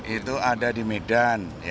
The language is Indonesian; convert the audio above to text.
itu ada di medan